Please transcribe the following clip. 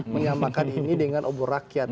menyamakan ini dengan obor rakyat